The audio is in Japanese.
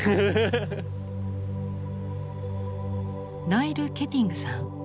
ナイル・ケティングさん。